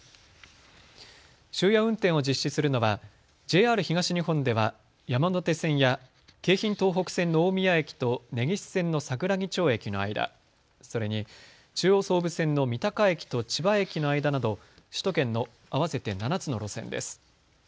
終夜運転を実施するのはＪＲ東日本では山手線や京浜東北線の大宮駅と根岸線の桜木町駅の間、それに中央・総武線の三鷹駅と千葉駅の間など首都圏の合わせて７つの路線です。